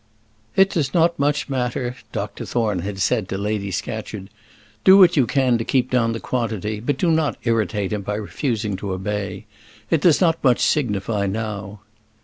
"It does not much matter," Dr Thorne had said to Lady Scatcherd. "Do what you can to keep down the quantity, but do not irritate him by refusing to obey. It does not much signify now."